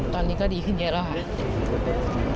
ตอนนี้ก็ดีขึ้นเยอะแล้วค่ะ